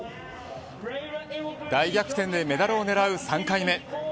大逆転でメダルを狙う３回目。